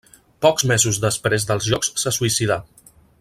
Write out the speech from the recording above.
Pocs mesos després dels Jocs se suïcidà.